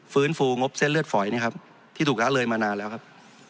ฟื้นฟูงบเส้นเลือดฝอยนะครับที่ถูกละเลยมานานแล้วครับ